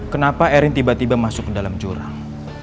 kenapa erin tiba tiba masuk ke dalam jurang